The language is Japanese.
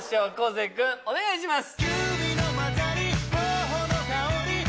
生君お願いします